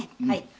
はい。